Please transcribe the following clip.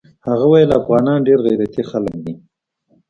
هغه ويل افغانان ډېر غيرتي خلق دي.